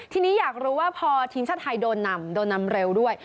ทีนี้อยากรู้ว่าพอทีมชาติไทยโดนนำโดนนำเร็วด้วย